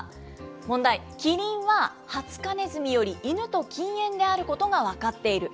問題、キリンはハツカネズミよりイヌと近縁であることが分かっている。